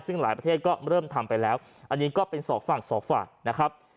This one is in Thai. ซึ่งหลายประเทศก็เริ่มทำไปแล้วอันนี้ก็เป็นสองฝั่งสองฝั่งนะครับ